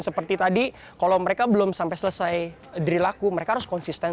seperti tadi kalau mereka belum sampai selesai diilaku mereka harus konsisten